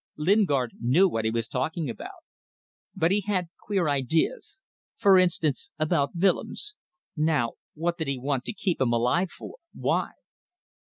Lingard knew what he was talking about. But he had queer ideas. For instance, about Willems. Now what did he want to keep him alive for? Why?